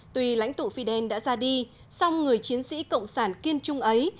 tuy lãnh tụ fidel đã ra đi song người chiến sĩ cộng sản kiên trung ấy